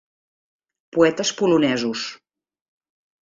Poetes polonesos.